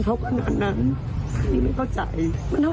แต่ทำไมถึงยิงเขากันนั้นไม่เข้าใจ